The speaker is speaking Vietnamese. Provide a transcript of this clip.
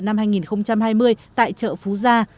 năm hai nghìn hai mươi tại chợ phú gia